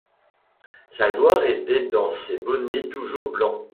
Sa gloire était dans ses bonnets toujours blancs.